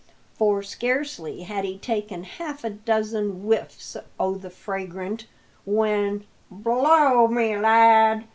For scarcely had he taken half a dozen "w'hiffs o' the fragrant," when, "Blow me, lad!"